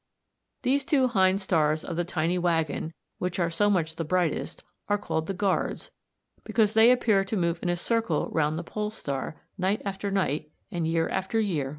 Those two hind stars of the tiny waggon, which are so much the brightest, are called the "Guards," because they appear to move in a circle round the Pole star night after night and year after year like sentries.